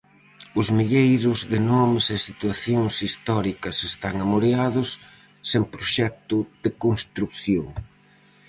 Os milleiros de nomes e situacións históricas están amoreados, sen proxecto de construción.